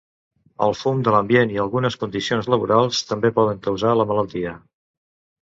El fum de l'ambient i algunes condicions laborals també poden causar la malaltia.